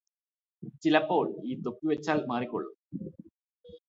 ചിലപ്പോൾ ഈ തൊപ്പി വെച്ചാൽ മാറിക്കോളും